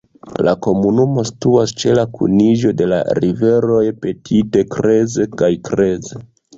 La komunumo situas ĉe la kuniĝo de la riveroj Petite Creuse kaj Creuse.